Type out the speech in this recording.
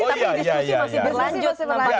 tapi diskusi masih berlanjut